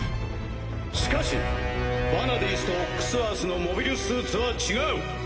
しかしヴァナディースと「オックス・アース」のモビルスーツは違う。